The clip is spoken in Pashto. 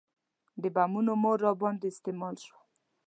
د بمونو مور راباندې استعمال شوه.